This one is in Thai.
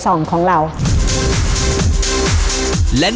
ขอบคุณครับ